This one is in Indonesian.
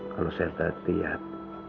kalau saya tertiap